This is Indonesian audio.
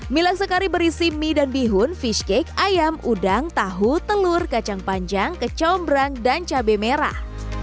mila sekari berisi mie dan bihun fish cake ayam udang tahu telur kacang panjang kecombrang dan cabai merah